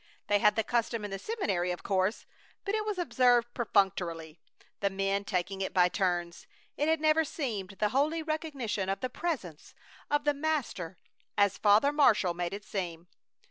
They had the custom in the seminary, of course, but it was observed perfunctorily, the men taking it by turns. It had never seemed the holy recognition of the Presence of the Master, as Father Marshall made it seem.